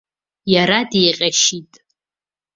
Иара диҟьашьит.